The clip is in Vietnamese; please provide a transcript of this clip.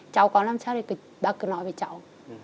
cháu có làm sao để bác cứ nói với cháu